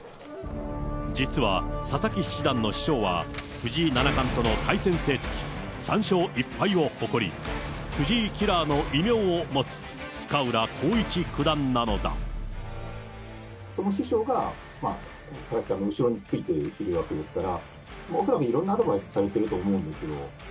実は佐々木七段の師匠は、藤井七冠との対戦成績３勝１敗を誇り、藤井キラーの異名を持つ、師匠が佐々木さんの後ろについているわけですから、恐らくいろんなアドバイスされてると思うんですよ。